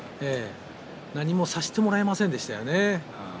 何もさせてもらえませんでしたね。